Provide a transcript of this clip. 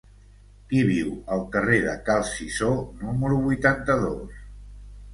Qui viu al carrer de Cal Cisó número vuitanta-dos?